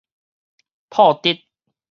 樸直